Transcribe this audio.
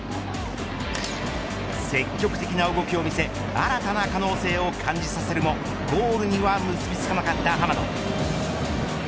積極的な動きを見せ新たな可能性を感じさせるもゴールには結びつかなかった浜野。